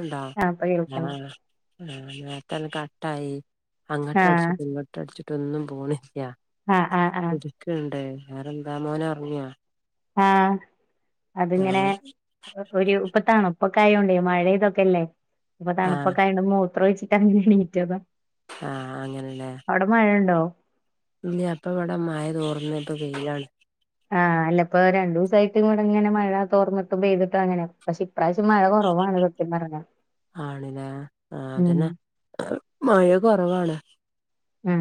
ഇണ്ടോ ആഹ് ഇപ്പൊ ആ കേൾക്കണ്ട് ആ നേത്തെല്ലാം കട്ടായി ആഹ് അങ്ങോട്ടടിച്ചിട്ട് ഇങ്ങോട്ടടിച്ചിട്ടൊന്നും പോണില്ല ആഹ് ആഹ് ആഹ് ഇത്ക്കെണ്ട് വേറെന്താ മോനൊർങ്ങിയാ ആഹ് അതിങ്ങനെ ഒരു ഉപ്പത്താണോ തണുപ്പക്കായുണ്ട് മഴ ഇതൊക്കെല്ലേ ഇപ്പൊ ആഹ് തണുപ്പക്കായോണ്ട് മൂത്രോഴിച്ചിട്ട് അങ്ങനെ എണീറ്റത ആഹ് അങ്ങനെല്ലേ മഴണ്ടോ ഇല്ലാ അപ്പ ഇവട മയ തോർന്നിട്ട് പ്പ പെയ്യാണ് ആഹ് അല്ല ഇപ്പൊ രണ്ടു ദിവസയിട്ടും ഇൂടെ ഇങ്ങനെ മഴ തോർന്നിട്ടും പെയ്തിട്ടും അങ്ങനെ പക്ഷെ ഇപ്രാവിശം മഴ കൊറവാണ് സത്യം പറഞ്ഞ ആണില്ലേ ആ അതന്നെ മഴ കൊറവാണ് ഉം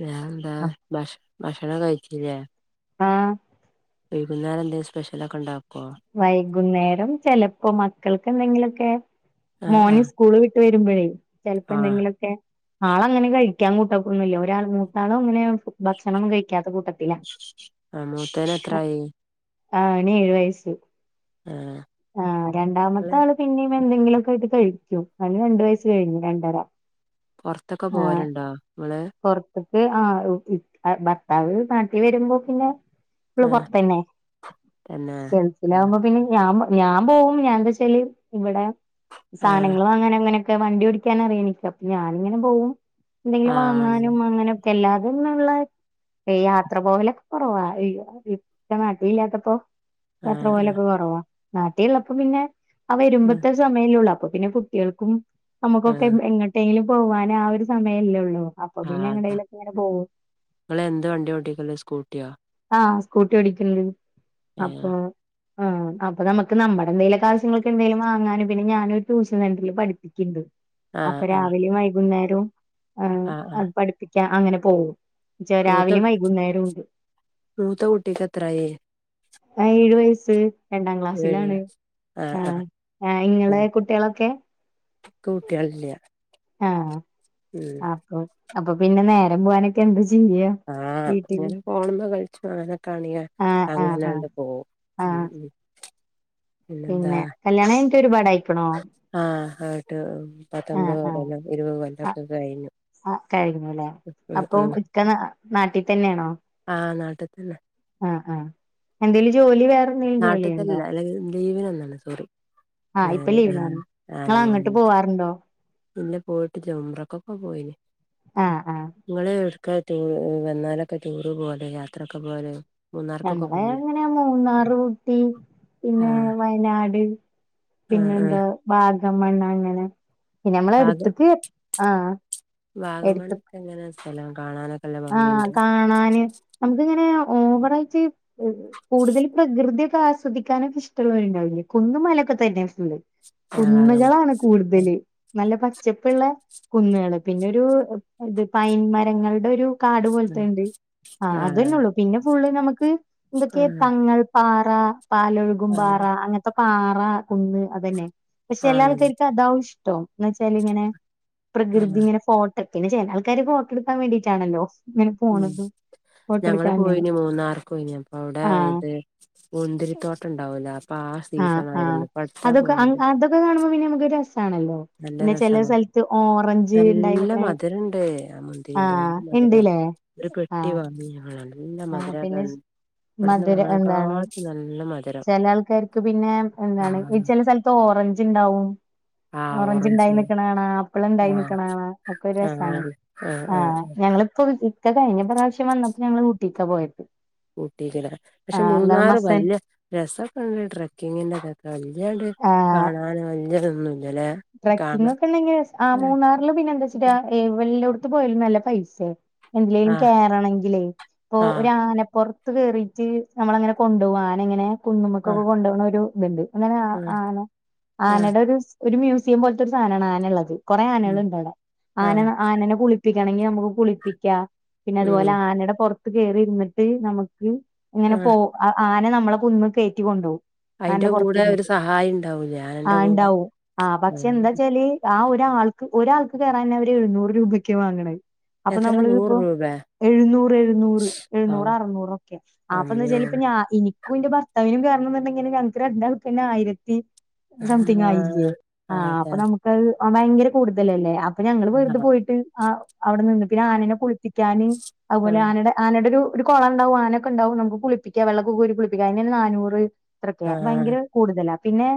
ഞാൻ എന്താ അപ്പ ഭക്ഷ ഭക്ഷണം കഴിച്ചില്ലേ വൈകുന്നേരം എന്തേലും സ്പെഷ്യലക്കെണ്ടോ വൈകുന്നേരം ചെലപ്പോ മക്കൾക്ക് എന്തെങ്കിലൊക്കെ ആഹ് മോനീ ആഹ് സ്കൂള് വി വരുമ്പോഴേ ചെലപ്പോ ആഹ് എന്തെങ്കിലൊക്കെ ആളങ്ങനെ കഴിക്കും ക്ക അങ്ങൂട്ടാകൊന്നുല്ല ഒരാൾ മൂതാളോ അങ്ങനെ ഭക്ഷണം കഴിക്കാത്ത കൂട്ടത്തില ആഹ് മൂത്തേന് എത്രായി ആഹ് നീഴ് വയസ്സു ആഹ് ആഹ് രണ്ടാമത്തെ നിങ്ങള് ആള് പിന്നെം എന്തെങ്കിലൊക്കെ ആയിട്ട് കഴിക്കും അവന് രണ്ട് വയസ്സ് കഴിഞ്ഞു രണ്ടര പൊറത്തൊക്കെ പോവലുണ്ടോ ഇങള് ആ ഭർത്താവ് നാട്ടി വരുമ്പോ പിന്നെ ഇങ്ങൾ ആഹ് പൊറത്തന്നെ തന്നെ ഗൾഫിലാവുമ്പോ പിന്നെ ഞാൻ ഞാൻ പോവും ഞാൻ എന്താ വെച്ചാല് ഇവിടെ ആഹ് സാധനങ്ങളും അങ്ങനെ അങ്ങനെ വണ്ടി ഓടിക്കാൻ അറിയനിക്ക് അപ്പ ഞാനിങ്ങനെ പോകും എന്തെങ്കിലും ആണല്ലേ വാങ്ങാനും അങ്ങനെ അല്ലാതൊന്നുള്ള യാത്ര പോവലൊക്കെ കൊറവാ ഇക്കാ നാട്ടില്ലാത്തപ്പോ യാത്ര ആഹ് പോവലൊക്ക കൊറവാ നാട്ടിലുള്ളപ്പോ പിന്നെ ആ ആഹ് വരുമ്പത്തെ സമയലേള്ളൂ അപ്പൊ പിന്നെ കുട്ടികൾക്കും നമുക്കൊക്കെ ആഹ് എങ്ങോട്ടേലും പോവാൻ ആ ഒരു സമയമല്ലേ ഉള്ളൂ അപ്പൊ ആഹ് പിന്നെ അതാ എങ്ങടേലൊക്കെ ഇങ്ങനെ പോകും നിങ്ങള് എന്ത് വണ്ടി ഓട്ടിക്കല് സ്കൂട്ടിയ ആ സ്കൂട്ടി ഓടിക്കലുണ്ട് അപ്പൊ ഏഹ് ആ അപ്പൊ നമ്മുക്ക് നമ്മുടെ എന്തേലുക്കെ ആവശ്യങ്ങൾ എന്തേലും ഒക്കെ വാങ്ങാനും പിന്നെ ഞാൻ ഒരു ട്യൂഷൻ സെന്ററിൽ പഠിപ്പിക്കുണ്ട് ആഹ് അപ്പൊ ആഹ് രാവിലെയ വൈകുന്നേരവും ഏ ആഹ് ഏ ആഹ് പഠിപ്പിക്കാൻ അങ്ങനെ പോകും മൂത്ത രാവിലെ വൈകുന്നേരം ഉണ്ട് മൂത്ത കുട്ടിക്ക് എത്രായി ആ ഏഴു വയസ്സ് രണ്ടാം ഏഴ് ക്ലാസ്സിലാണ് ആഹ് ആ ഇങ്ങളെ കുട്ടികളൊക്കെ എക്ക് കുട്ടികളില്ല ആഹ് ഉം അപ്പൊ അപ്പൊ പിന്നെ നേരം പോവാനൊക്കെ എന്ത് ചെയ്യാ ആഹ് വീട്ടില് അങ്ങനെ പോണ്പോ കളിച്ചു അനെ കാണിയാ ആഹ് ആഹ് ആഹ് അങ്ങനണ്ട് പോകും ഉം ആഹ് ഉ പിന്നെ കല്യാണം കഴിഞ്ഞിട്ട് ഒരുപാടായി ആഹ് എട്ട് ആഹ് പത്തൊമ്പത് ഇരുപത് കൊല്ലക്കെ കഴിഞ്ഞു അത് കഴിഞ്ഞുല്ലേ ഉം അപ്പം ഉം ഇക്ക നാട്ടിത്തന്നെയാണോ ട്ടി തന്നെ ആ ആ എന്തേലും ജോലി വേറെന്തേലും ജോലി ചെയ്യണുണ്ടോ ജീവൻന്നാണ് സോറി ആ ഇപ്പൊ ലീവിനാണ് ആഹ് നിങ്ങള് അങ്ങോട്ട് പോവാറുണ്ടോ ഇന്നെ പോയിട്ട് ചെംറക്കൊക്കെ പോയിന് ആ ആ ഒക്കെ ടൂ വന്നാലൊക്കെ ടൂറ് പോലെ യാത്രൊക്കെ പോലെ മൂന്നാർക്കൊക്കെ ഞങ്ങളെ പോയിനോ എങ്ങനെ മൂന്നാറ് ഊട്ടി പിന്നെ ആഹ് വയനാട് ആഹ് ആഹ് പിന്നെന്താ വാഗമൺ അങ്ങനെ പിന്നേ നമ്മള വാഗ എടുത്തക്ക് ആ എടുത്ത എല്ലാം കാണാനൊക്കെ നല്ല ആ ഭംഗിയുണ്ട് കാണാന് നമക്ക് ഇങ്ങനെ ഓവറ ആയിട്ട് കൂടുതൽ പ്രകൃതിയൊക്കെ ആസ്വദിക്കാനൊക്കെ ഇഷ്ടള്ളോർ ഉണ്ടാവില്ലേ കുന്നുമലൊക്കെ തന്നെ ആഹ് വാഗമൺ കുന്നുകളാണ് കൂടുതല് നല്ല പ പച്ചപ്പുള്ള കുന്നുകള് പിന്നെ ഒരു ഇത് പൈൻ മരങ്ങളുടെ ഒരു കാട് പോലത്തെ ഉണ്ട് ആ് ആഹ് ആഹ് അതന്നെ ഉള്ളു പിന്നെ ഫുള്ള് നമുക്ക് എന്തൊക്കെയ ആഹ് തങ്ങൾ പാറ പറ പാലൊഴുകും പാറ ആഹ് അങ്ങനത്തെ പാറ കുന്ന് അതന്നെ പക്ഷെ എല്ലാ ആണല്ലേ ആൾക്കാർക്കും അതാവും ഇഷ്ടം എന്ന വെച്ചാൽ ഇങ്ങനെ പ്രകൃതി ആഹ് ഇങ്ങനെ ഫോ പിന്നെ ചേന ആൾക്കാര് ഫോട്ടോ എടുക്കാൻ വേണ്ടിയിട്ടാണല്ലോ ഇങ്ങനെ ഉം പോണത് ഞങ്ങള് ഫോട്ടോട്ക്കാങ്ങനെ പോയിന് മൂന്നാർക്ക് പോയിന് അപ്പൊ അവിടെ ആഹ് ഇത് മുന്തിരിത്തോട്ടം ഉണ്ടാവൂല അപ്പൊ ആ ആഹ് സീസൺ ആഹ് ആയിരുന്നു ഇപ്പടുത്താ അതൊക്കെ അങ് പോയത് അതൊക്കെ കാണുമ്പോ പിന്നെ നമുക്കൊരു രസാണല്ലോ നല്ല പിന്നെ ചെല രസമാണ് സ്ഥലത്ത് ഓറഞ്ച് ഇണ്ടായി നല്ല നിക്ക്ണെ മധുരണ്ട് ആ മുന്തിരി ആഹ് തോന്നുന്ന ഇണ്ട്ല്ലേ ഒരു പെട്ടി ആഹ് വാങ്ങി ഞങ്ങളാണ് ഇല്ല മധുരസ മധുരം എന്താണ് മധുരം ചില ആൾക്കാർക്ക് പിന്നെ എന്താണ് ആഹ് ഈ ചില സ്ഥലത്ത് ഓറഞ്ച് ണ്ടാവും [unintelligible] ഓറഞ്ച് ഉണ്ടായി നക്കണണോ ആപ്പിൾ ഉണ്ടായി ആഹ് നക്കണണ ഒക്കെ ഒരു രസമാണ് ആഹ് ആഹ് ആ ആഹ് ഞങ്ങളിപ്പോ ഇക്ക കഴിഞ്ഞ പ്രാവശ്യം വന്നട്ട് ഞങ്ങള് കഊട്ടീക്കാ പോയത് ഊട്ടിക്കല്ലേ പക്ഷെ ആഹ് എന്താണ് മൂന്നാറ് മസൻ വലിയ രസക്ക ഉണ്ട് ട്രക്കിങ്ങിന്റെതൊക്കെ വല്ലാണ്ട് കാണൻ നല്ല ര ട്രക്കിങ്ങൊക്കെ ഉണ്ടെങ്കി ആ മൂന്നാറില് പിന്നെ എന്ത്ച്ചിട്ടാ ഈ വല്യ ഉട് ഇപ്പ പോയാലും നല്ല പൈസാവും എന്തിലേലും ആഹ് കേറണെങ്കിലേ ഇപ്പൊ ഒര് ആഹ് ആനപ്പൊറ ത്ത് കേറീറ്റ് നമ്മള അങ്ങനെ കൊണ്ടോവും ആന ഇങ്ങനെ കുന്നുമക്കൊക്ക ആഹ് കൊണ്ട് പോണോരും ഇവ്ട ഒണ്ട് കൊുപോകണ ഒരു ഇതുണ്ട് അങ്ങനെ ആ ആഹ് ആന ആഹ് ആനയുടെ ഒരു ഒരു മ്യൂസിയം പോലത്തൊര് സ്ഥാനാണ് ആന ഉള്ളത് കൊറേ ആനേള് ഉം ഉണ്ട് അവ്ടെ ആനന ആഹ് ആനേനെ കുളിപ്പിക്കണങ്കി നമുക്ക് കുളിപ്പിക്കാ പിന്നെ അതുപോല ഉം ആനയുടെ പൊറത്ത് കേറി ഇരുന്നിട്ട് നമ്മക്ക് ഇങ്ങനെ ആഹ് പോ അ ആ പിന്നെ നമ്മള കുന്ന് കേറ്റി കൊണ്ടോവും അയ്ന്റെ കൂടെ ഒരു സഹായി ഇണ്ടാവും ആ ഞാനെൻ്റെ കൂടെ ഉണ്ടാവും ആ പക്ഷെ എന്താച്ചാല് ആ ഒരാൾക്ക് ഒരാൾക്ക് കേറാൻ അവര് എഴുന്നൂറ് രൂപയ്ക്കാ വാങ്ങണേ എത്ര നൂറ് രൂപേ എഴുന്നൂറ് എഴുന്നൂറ് ഔ എഴുന്നൂറ് അറുന്നൂറൊക്കയാ ആപ്പന്ന് വെച്ചാൽ അമ്മേ ഇപ്പ ഞാ എനി ക്കും ൻ്റെ ഭർത്താവിനും കേറണോന്നുണ്ടങ്കി ഇങ്ങനെ ഞങ്ങക്ക് രണ്ടാൾക്ക് തന്നെ ആയിരത്തി സംതിങ് ആയില്ലേ ആഹ് ആഹ് അതെ അപ്പ നമുക്കത് ഭയങ്കര കൂടുതലല്ലേ അപ്പൊ ഞങ്ങള് വെറുതെ ആഹ് പോയിട്ട് ആ അവിടെ നിന്ന് പിന്നെ ആ നേന കുളിപ്പിക്ക്യന് അതുപോലെ ആഹ് ആനയുടെ ആനയുടെ ഒരു ഒരു കൊളണ്ടാവും ആ നേക്ക ണ്ടാവും നമുക്ക് കുളിപ്പിക്കാ വെള്ളോക്ക കോരി കുളിപ്പിക്കാ അ യിനെന്നെ നാന്നൂറ് അത്രക്കെയാ ആഹ് ഭയങ്കര കൂടുതലാ പിന്നെ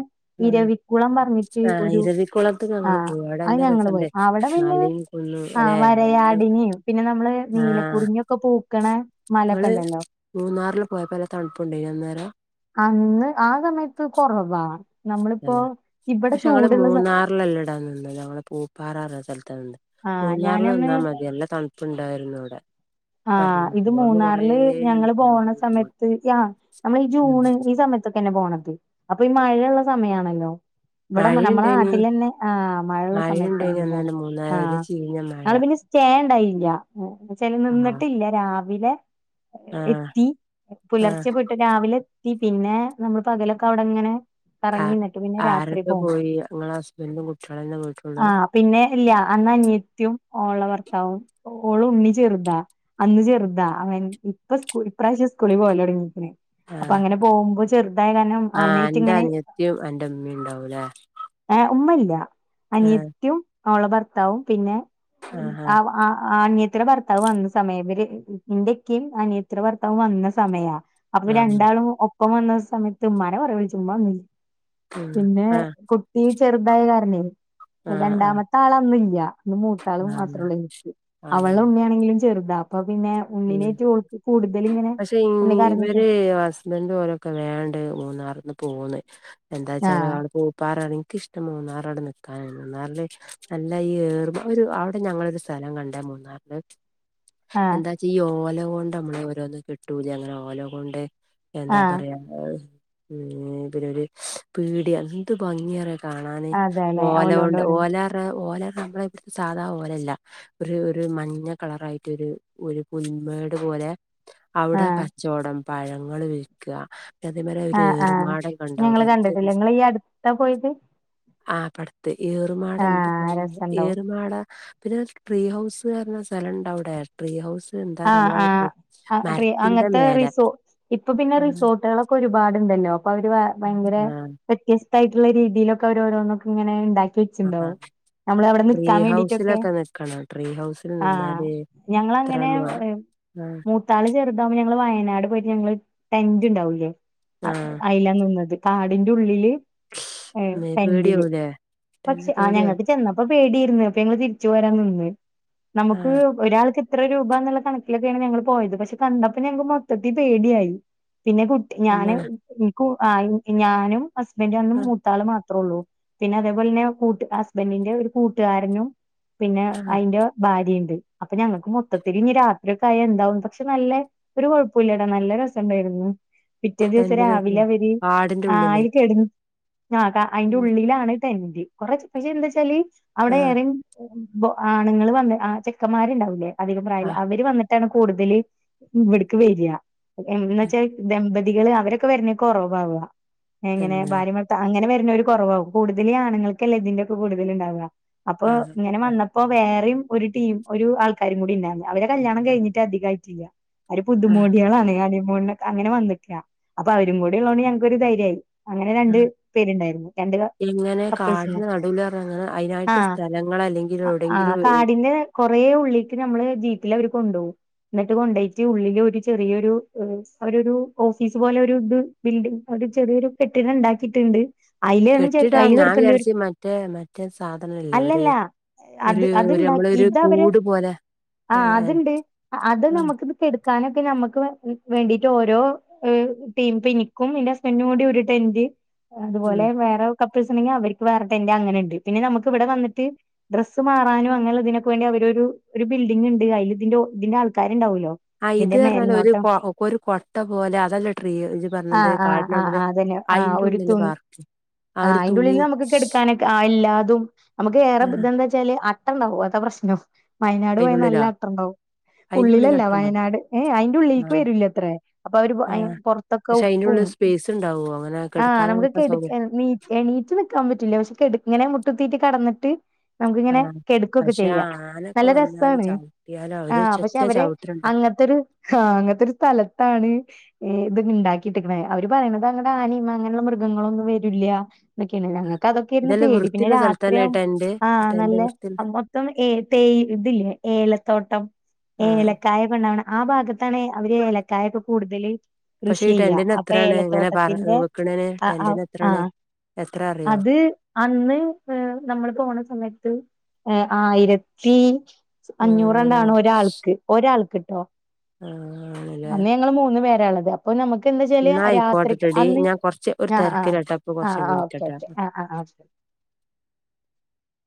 ആഹ് ഇരവിക്കുളം വന്നി രി ആഹ് ഒരു ഇരവിക്കുളത്ത് ആ ഞങ്ങള് പോയി അവിടെ അയ് നല്ല ഞങ്ങള് രസണ്ട് പോയി അവിടെ പിന്നെ മലയും കുന്നും ആ അല്ലെ എല്ലാം വരയാടിനേം പിന്നെ നമ്മള് ആഹ് നീലക്കുറിഞ്ഞി ഒക്കെ പൂക്കണ മല ഒക്കെ ഇങ്ങള് ണ്ടല്ലോ മൂന്നാറില് പോയപ്പ നല്ല തണുപ്പുണ്ടെനിയോ അന്നേരം അന്ന് ആ സമയത്ത് കൊറവാ നമ്മളിപ്പോ തന്നെ ഇവടെ പക്ഷെ ഞങ്ങള് മൂന്നാറ്ലല്ലടാ നിന്നത് ഞങ്ങള് പൂപ്പാറ ന്ന സ്ഥല തണ്ട് ആഹ് മൂന്നാറില് ഞാനന്ന് നിന്നാ മതി നല്ല തണുപ്പുണ്ടായിരുന്നു അവ്ടെ ആഹ് ഇത് മൂന്നാറില് ഇങ്ങട് ഞങ്ങള് പോണ പോന്നു സമയത്ത് യാ നമ്മളി ഉം ജൂണ് ഈ സമയ ത്തെ തന്നെ പോണത് അപ്പൊ ഈ മഴയൊള്ള സമയാണല്ലോ ഇവ്ടാവ്മ്പ നമ്മളെ മഴയുണ്ടേനു നാട്ടിലന്നെ ആഹ് മഴ ള്ള മഴയുണ്ടേനു സമയത്തേനി അന്നന്നെ പോന്നത് ആ മൂന്നാറില് ഒരു ചീഞ്ഞ മഴ [unintelligible] പിന്നെ സ്‌റ്റേ കഴിഞ്ഞാ [unintelligible] ആഹ് രാവിലെ ആഹ് എത്തി ആഹ് പുലർച്ചെ പോയ്ട്ട് രാവിലെ പി പിന്നെ നമ്മള് പകലൊക്ക അവിടങ്ങനെ ആ എറങ്ങിന്നിട്ട് പിന്നെ രാത്രി ആരൊക്കെ പോവും പോയി ഇങ്ങളെ ഹസ്ബൻഡും കുട്ടികളന്നെ പോയിട്ടുള്ളൂ ആഹ് പിന്നെ ഇല്ല അന്ന് അനിയത്യും ഓള ഭർത്താവും ഓള് ഉണ്ണി ചെറുതാ അന്ന് ചെറുതാ അങ്ങന് ഇപ്പ സ്കൂളി ഇപ്രാവശ്യം സ്കൂളി പോവാൻ തൊടങ്ങിക്കണേ ആ അപ്പ അങ്ങനെ പോകുമ്പോ [unintelligible] ആ നയിറ്റ് അന്റെ ഇങ്ങനെ അനിയത്തിയും അന്റെ ഉമ്മയും ഉണ്ടാവൂലേ ആ ഏ ഉമ്മല്യ അനിയത്തിയും അവള ഭർത്താവും പിന്നെ ആ [unintelligible] ത്തിട ഭർത്താവ് വന്ന സമയ ഇവര് ഇന്റ ഇക്കെയും അനിയത്തിട ഭർത്താവും വന്ന സമയാ അപ്പൊ ആ പിന്നെ രണ്ടാളും ഒപ്പം വന്ന സമയത്ത് ഉമ്മാനെ കൊറേ വിളിച്ച് ഉമ്മ വന്നില്ല ഉം പിന്നെ ആ കുട്ടി ചെറുതായ കാരണേ ആ ആ രണ്ടാമത്തെ ആള് അന്നില്ല്യ അന്ന് മൂത്താളും ആ മാത്രഉള്ളൂ നിക്ക്. ആ അവളും അങ്ങനെ ഉണ്ണിയാണെങ്കിലും ചെറുതാ അപ്പം ഉം പക്ഷെ ഇനി ഉണ്ണി കരഞ്ഞിട്ട് ഇവര് ഹസ്ബൻഡ് ഓലൊക്ക വേണ്ടെ മൂന്നാർന്ന് പോന്ന് എന്താച്ചാല് ആഹ് ആള് പൂപ്പാറ എറങ്ങി ക്കിഷ്ടം മൂന്നാറവ്ട നിക്കാന് മൂന്നാറില് നല്ല ഈർമ ഒരു ആവ്ട ഞങ്ങളൊരു സ്ഥലം കണ്ടേ മൂന്നാറില് ആഹ് എന്താച്ചാ ഈ ഓല കൊണ്ട് നമ്മള് ഓരോന്ന് കെട്ടൂലേ അങ്ങന ഓല കൊണ്ട് എന്താ ആഹ് പറയാ പിന്നെ [unintelligible] പേടിയാ എന്തു ഭംഗിയ കാണാന് അതെല്ലെ ഓല ഓലോണ്ട് കൊണ്ട് പറയുന്നു ഓലറ ഓല നമ്മള ഇവിടുത്തെ സാധാപോലെ അല്ല ഒരു ഒരു മഞ്ഞ കളറായിട്ടൊര് ഒരു പുൽമേട് പോലെ അവ്ടെ ആഹ് കച്ചവടം പഴങ്ങള് വിൽക്കാ രത്തിൻ മേലെ ഒര് ആഹ് ആഹ് ഏറ്മാടം കണ്ടവ്ടെ ഞങ്ങള് എന്തൊര് കണ്ടിട്ടില്ല [unintelligible] ഇങ്ങള് ഈ അടുത്താ പോയത് ആ പടത്ത് ഏറ്മാഡം ഇണ്ട് ആഹ് വഴില് രസണ്ടാവും ഏറ്മാഡം പിന്നെ ട്രീഹൗസ് വരണസ്ഥലംഇണ്ട് അവിടെ ട്രീഹൗസ് ആ ആ അ ട്രീ അങ്ങനത്തെ മേലെ റിസൊ ഇപ്പൊപിന്നെ ആഹ് റിസോർട്ടുകളൊക്കെ ഒരുപാട് ണ്ടല്ലോഅപ്പാഅവര് വേഭയങ്കര വ്യത്യാസ്ഥായിട്ടുള്ള രീതിലൊക്കെഅവര് ഓരോന്നൊക്കെ ഇങ്ങെനെഇണ്ടാക്കി ആഹ് [unintelligible] ട്രീ നമ്മളഅവിടെനിക്കാൻ വേണ്ടിട്ടൊക്കെ ഹൗസിലൊക്കെ നിക്കണം ട്രീ ഹൗസിൽ ആ നിന്നാല് ഞങ്ങളങ്ങെനെ എത്രമാ ആഹ് മൂത്താള് ചെറുതാകുമ്പോൾ ഞങ്ങള് വയനാട് പോയിഞങ്ങള് ടെന്റ് ഉണ്ടാവൂല്ലേ അ ആഹ് അയില നിന്നത് കാടിന്റെ ഉള്ളില് ഏ മ്മേ ടെന്റില് പേടിയാവൂലേ തന്നെ പക്ഷെ ആ പേടിയാ ഞങ്ങൾക്ക് ചെന്നപ്പോ പേടിയിരുന്നു അപ്പൊങ്ങള് തിരിച്ചു പോരാൻനിന്നു നമുക്ക് ആഹ് ഒരാൾക്ക് ഇത്രരൂപന്നുള്ള കണക്കിലൊക്കെയാണ് ഞങ്ങൾ പോയത്പക്ഷെ കണ്ടപ്പോ ഞങ്ങക്ക്‌ മൊത്തത്തിൽ പേടിയായി പിന്നെ കുട്ടി ഞാന് പിന്നെ കു ഈ ഞാനും ഹസ്ബൻഡും അന്നും ആഹ് മൂത്താള് മാത്ര ള്ളൂ പിന്നെ അതേപോലെ തന്നെ കൂട്ട്ഹസ്ബൻഡിന്റെ ഒരു കൂട്ടുകാരനും പിന്നെ ആഹ് അയിന്റെ ഭാര്യണ്ട് അപ്പൊ ഞങ്ങൾക്ക് മൊത്തത്തില് ഇനി രാ ഒരു [unintelligible] പക്ഷെനല്ല ഒരു കൊഴപ്പായില്ലാരുന്നു നല്ലരസം ഉണ്ടായിരുന്നു ടെന്റിലൊക്കെ പിറ്റേദിവസംരാവിലെ അവര് കാടിന്റെ ഉള്ളില് ആയികേടുന്നു ആഹ് അയിന്റെഉള്ളിലാണ് കയിണ്ട് കൊറേ അതെന്തുവെച്ചാല് ആഹ് അവിടെഎറങ്ങി ഇപ്പൊആണുങ്ങൾ വന്ന് ആ ചെക്കന്മാരുണ്ടാവില്ലേഅധികം ആഹ് പ്രായഇല്ലാത്ത അവര് വന്നിട്ടാണ് കൂടുതല് ഇവിടെക്ക്‌ വരികഎന്നുവെച്ചാൽ ദമ്പതി കള് അവരെക്കെവരുന്നെക്കെ കൊറവാവ എങ്ങനെ തന്നെ ഭാര്യഭർത്താവ് അങ്ങെനെ വ പിന്നെഒരുകൊറവാവുംകൂടുതല് ആണുങ്ങൾക്കല്ലേ ഇതിന്റെയൊക്ക കൂടുതല് ഉണ്ടാവുക ആഹ് അപ്പൊഇങ്ങനെവന്നപ്പോവേറെയും ഒരു ടീം ഒരുആൾക്കാരുംകൂടി ഇണ്ടായിരുന്നുഅവര് കല്യാണം കഴിഞ്ഞിട്ട് അധികംആയിട്ടില്ല അവര് ആഹ് പുതുമോടികളാണ് [unintelligible] ണിണിനൊക്ക അങ്ങനെവന്നിട്ടില്ല അപ്പൊ അവരും കൂടി ഉള്ളോണ്ട് ഞങ്ങക്കൊരു ധൈര്യമായി അങ്ങനെ രണ്ട് ആഹ് പേരുണ്ടായിരുന്നു രണ്ട് എങ്ങനെ കപ്പിൾസ്ന്ന് കാടിന് നടുവില് പറഞ്ഞ അങ്ങനെ അതിനായിട്ട് ആഹ് സ്ഥലങ്ങൾ അല്ലെങ്കിൽ ആഹ് അ എവിടെയെങ്കിലും വെ- കാടിന്റെ കൊറെഉള്ളിക്ക്‌ ഞമ്മളെ ജീപ്പിൽ അവര് കൊണ്ടുപോകും എന്നിട്ട് കൊണ്ടയിട്ട് ഉള്ളില് ഒരു ചെറിയൊരു അവര് ഒരു ഓഫീസ് പോലെ ഒരു ബിൽഡിങ് ചെറിയൊരുപെട്ടിനെ ഇണ്ടാക്കിയിട്ട് ണ്ട് കെട്ടിടാ ഞാൻ വിചാരിച്ച മറ്റേ മറ്റേ സാധനല്ലേ ഒര് അല്ലല്ല അത് ഒരു ഒരു നമ്മള അത്ണ്ടാക്കി ഒരു ഇതവര് കൂട് പോലെ ആഹ് ഏ, അത്ണ്ട് അത് ആഹ് നമുക്ക് ഇത് കെട് ക്കാനക്കെ ഞമ്മക്ക് വേ വേണ്ടീട്ട് ഓരോ ടീം പിനിക്കും എന്റെ ഹസ്ബൻഡിനും കൂടിഒരുടെന്റ് ഉം അതുപോലെ വേറെ കപ്പിൾസ് ഉണ്ടെങ്കിൽ അവർക്ക് വേറെടെൻഡ് അങ്ങനെ ഇണ്ട് പിന്നെ നമക്ക് ഇവിടെ വന്നിട്ട് ഡ്രസ്സ് മാറാനുംഅങ്ങനെഇള്ളതിനൊക്കെ വേണ്ടി അവര് ഈ ഒരു ബിൽഡിങ് ഇണ്ട് അയില് ഇതിന്റെ ഇതിന്റെ ആൾക്കാരു ഉണ്ടാവുല്ലോ ആ ഇത് പറഞ്ഞാല് ഒരു കൊ ഒരു കൊട്ട പോലെ അതല്ലേ ട്രീ ജിത് ആഹ് ആഹ് ആഹ് പറഞ്ഞത്കാട്ടിനുള്ളില് ആഹ് അതന്നെ ആഹ് അയിന്റെ ഒരു തു ഉള്ളില് പാർക്ക് ആഹ് അതിൻ്റെ ഉള്ളില്നമുക്ക് കെടുക്കാനൊക്കെ ആയില്ല തും നമുക്ക് ഏറെ ആഹ് ഇത്എന്താന്ന് വെച്ചാല്അട്ട ഇണ്ടാവുംഅതാപ്രശ്നം വയനാട് അയിനുള്ളിലാ പോയനല്ലഅട്ട ഇണ്ടാവും അയിന്റെ ഉള്ളിലല്ല ഉള്ളിലാട്ടണ്ടോ വയനാട് ഏ അയിന്റെ ഉള്ളിലേക്ക് ആഹ് വരൂല്ല അത്രേ അപ്പൊ അവര് ആഹ് പുറത്തൊക്കെ പക്ഷെ അയിന്റെ ഉപ്പും ഉള്ളിൽ സ്പേസ് ഉണ്ടാവോ അങ്ങനെ ആഹ് നമുക്ക് കെടക്കാനൊക്കെ സൗകര്യം കെടക്കാ നീറ്റ് എണീറ്റ് നിക്കാൻപറ്റില്ലപക്ഷെ കെടക്ക്ഇങ്ങനെ മുട്ട് തിരി കെടന്നിട്ട് നമുക്കിങ്ങനെ ആഹ് കെടക്കൊക്കെ പക്ഷെ ആ ചെയ്യാം ആനൊക്കെ നല്ല രസ തി വന്നാല് തീ ചവിട്ടിയാലോ അവര് ആഹ് പക്ഷെ ചെറ്റ അവര് ചവിട്ടലുണ്ടാവും അങ്ങത്തെരു ആ അങ്ങനത്തെരു സ്ഥലത്താണ് ഏ ഇത് ഉണ്ടാക്കിയിട്ടിക്കണ അവര് പറയണത് അങ്ങനെ ആനയും അങ്ങനെയുള്ള മൃഗങ്ങളൊന്നും വരൂല്ല എന്തൊക്കെയണല്ലോ ഞങ്ങൾക്ക് അതൊക്കെയായിരുന്നു ഇതെല്ലാം പേടി പിന്നെ വൃത്തിയുള്ള സ്ഥലത്തന്നെ രാത്രിയാകും ടെന്റ് ആഹ് ടെന്റ് നല്ല വൃത്തി മൊത്തം ഏ തേ ഇതില്ലേ ഏലത്തോട്ടം ആഹ് ഏലക്കായ ഒക്കെ ഉണ്ടാവണേ ആ ഭാഗത്താണ് അവര് ഏലക്കായ ഒക്കെ കൂടുതല് പക്ഷെ കൃഷി ഈ ചെയ്യാ ടെന്റിന് അപ്പൊ എത്രയാണ് ഇങ്ങനെ പറ ഏലത്തോട്ടത്തിന്റെ വെക്കണേന് ആഹ് അഹ്‌ ടെന്റിന് എത്രയാണ് ആഹ് എത്ര അറിയോ അത് അന്ന് നമ്മള് പോണ സമയത്ത് ഏ ആയിരത്തി ആഹ് അഞ്ഞൂറ്ണ്ടാണ് ഒരാൾക്ക് ഒരാൾക്ക്ട്ടോ ആ ആണല്ലേ അന്ന് ഞങ്ങള് മൂന്ന് അപ്പൊ നമുക്ക് എന്താച്ചാല് എന്നാ രാത്രിക്ക് ആയിക്കോട്ടെട്ടടി അന്ന് ഞാൻ കൊറച്ച് ഒരു ആ തിരക്കിലാട്ടാ അപ്പൊ ആ കൊറച്ച് കഴിഞ്ഞിട്ട് ആ ഓക്കെ വിളിക്കാട്ടാ ഓക്കെ ആ ആ [inaudible]